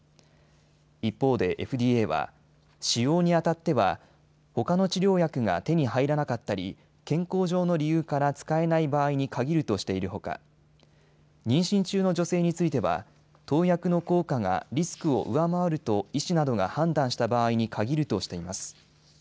一方でＦＤＡは使用に当たってはほかの治療薬が手に入らなかったり健康上の理由から使えない場合に限るとしているほか妊娠中の女性については投薬の効果がリスクを上回ると医師などが判断した場合に限るとしています。